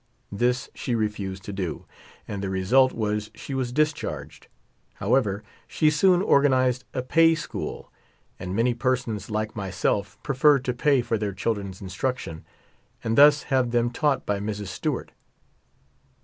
This she refused to do, and the result was she was discharged. However, she soon organized a pay school, and many persons like myself preferred to pay for their children's instruction, and thus have them taught by Mrs. Stewart.